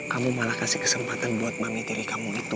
kamu malah kasih kesempatan buat mami tiri kamu itu